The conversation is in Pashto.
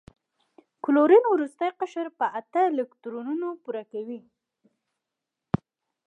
کلورین وروستی قشر په اته الکترونونه پوره کوي.